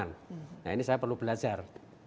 nah ini saya perlu belajar